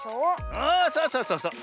あそうそうそうそう。